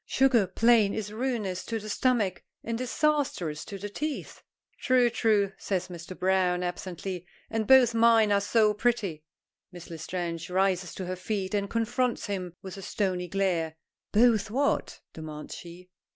Sugar, plain, is ruinous to the stomach and disastrous to the teeth." "True, true," says Mr. Browne, absently, "and both mine are so pretty." Miss L'Estrange rises to her feet and confronts him with a stony glare. "Both what?" demands she.